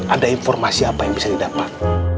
ada informasi apa yang bisa didapat